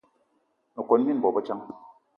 Me kon mina bobedjan.